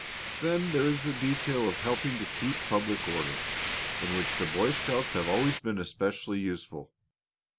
Then there is the detail of helping to keep public order, in which the Boy Scouts have always been especially useful.